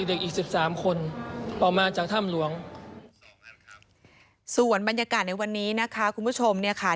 อีกสิบสามคนออกมาจากถ้ำหลวงส่วนบรรยากาศในวันนี้นะคะคุณผู้ชมเนี่ยค่ะ